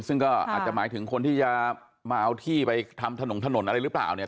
ซึ่งก็อาจจะหมายถึงคนที่จะมาเอาที่ไปทำถนนถนนอะไรหรือเปล่าเนี่ย